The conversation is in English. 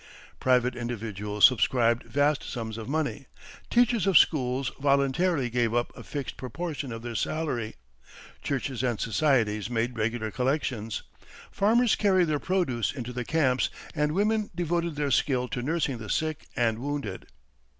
Private individuals subscribed vast sums of money, teachers of schools voluntarily gave up a fixed proportion of their salary, churches and societies made regular collections, farmers carried their produce into the camps, and women devoted their skill to nursing the sick and wounded.